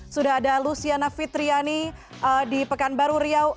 sudah ada luciana fitriani di pekanbaru riau